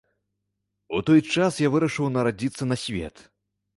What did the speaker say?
У той час я вырашыў нарадзіцца на свет.